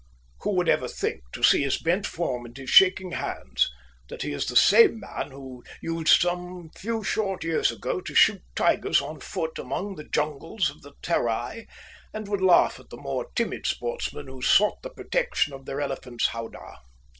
Who would ever think, to see his bent form and his shaking hands, that he is the same man who used some few short years ago to shoot tigers on foot among the jungles of the Terai, and would laugh at the more timid sportsmen who sought the protection of their elephant's howdah?